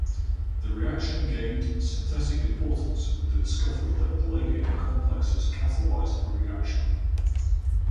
The reaction gained synthetic importance with the discovery that palladium complexes catalyze the reaction.